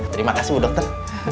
terima kasih bu dokter